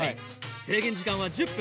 制限時間は１０分。